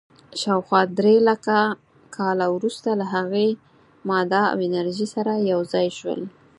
شاوخوا درېلکه کاله وروسته له هغې، ماده او انرژي سره یو ځای شول.